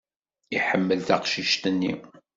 Iḥemmel taqcict-nni.